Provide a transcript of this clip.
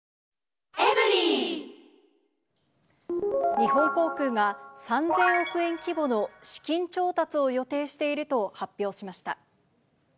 日本航空が３０００億円規模の資金調達を予定していると発表しました。